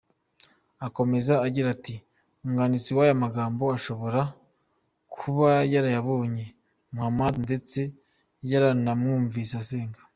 Akomeza agira ati “ Umwanditsi w’aya magambo ashobora kuba yarabonye Muhammad ndetse yaranamwumvise asenga.